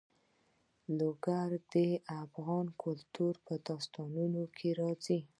لوگر د افغان کلتور په داستانونو کې راځي.